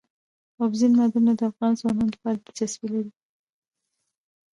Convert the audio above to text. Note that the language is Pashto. اوبزین معدنونه د افغان ځوانانو لپاره دلچسپي لري.